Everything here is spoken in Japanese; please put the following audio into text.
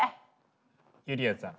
ゆりやんさん。